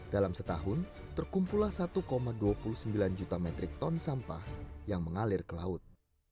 dalam setahun terkumpullah satu dua puluh sembilan juta metrik ton sampah yang mengalir ke laut